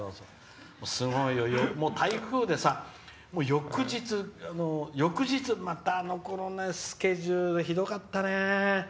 台風でさ、翌日またスケジュールひどかったね。